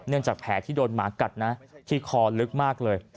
จากแผลที่โดนหมากัดนะที่คอลึกมากเลย